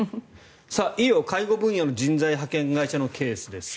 医療・介護分野の人材派遣会社のケースです。